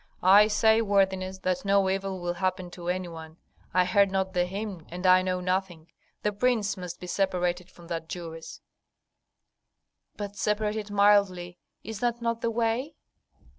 "I say, worthiness, that no evil will happen to any one. I heard not the hymn, and I know nothing. The prince must be separated from that Jewess." "But separated mildly; is that not the way?"